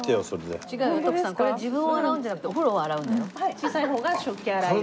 小さい方が食器洗い用。